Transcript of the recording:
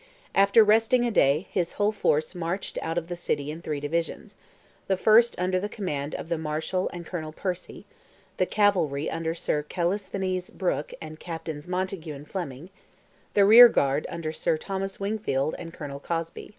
After resting a day, his whole force marched out of the city in three divisions; the first under the command of the Marshal and Colonel Percy, the cavalry under Sir Calisthenes Brooke and Captains Montague and Fleming; the rear guard under Sir Thomas Wingfield and Colonel Cosby.